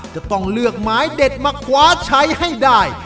จะต้องเลือกไม้เด็ดมาคว้าใช้ให้ได้